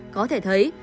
có thể thấy